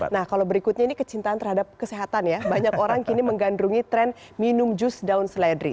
nah kalau berikutnya ini kecintaan terhadap kesehatan ya banyak orang kini menggandrungi tren minum jus daun seledri